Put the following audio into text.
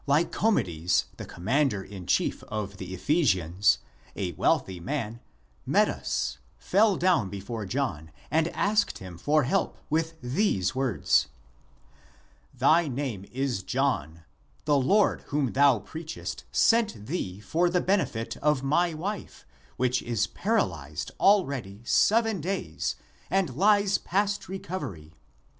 ACTS OF JOHN I37 the commander in chief of the Ephesians, a wealthy man, met us, fell down before John, and asked him for help, with these words, " Thy name is John ; the Lord whom thou preachest, sent thee for the benefit of my wife, which is paralyzed already seven days and lies past recovery.